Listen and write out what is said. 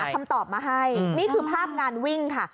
คำตอบมาให้นี่คือภาพงานวิ่งค่ะ